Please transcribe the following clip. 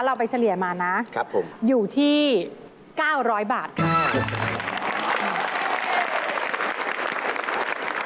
เราไปเฉลี่ยมานะกันอยู่ที่๙๐๐บาทเงี่ยเงี่ย